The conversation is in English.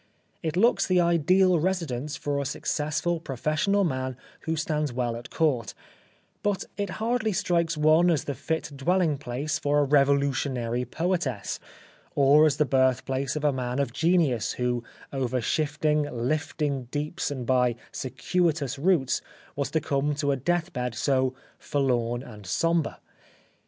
It looks the ideal residence for a successful pro fessional man who stands well at court, but it hardly strikes one as the fit dwelling place for a revolutionary poetess, or as the birthplace of a man of genius who over shifting, lifting deeps and by circuitous routes was to come to a death bed so forlorn and sombre.